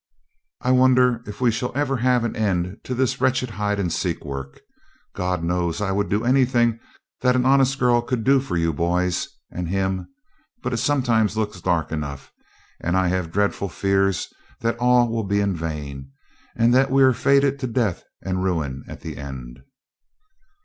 'I wonder if we shall ever have an end to this wretched hide and seek work. God knows I would do anything that an honest girl could do for you boys and him, but it sometimes looks dark enough, and I have dreadful fears that all will be in vain, and that we are fated to death and ruin at the end.'